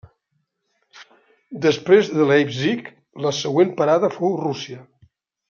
Després de Leipzig, la següent parada fou Rússia.